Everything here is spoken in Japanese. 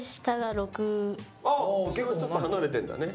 結構ちょっと離れてるんだね。